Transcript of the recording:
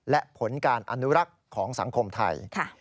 และผลการอนุรักษ์ของสังคมไทย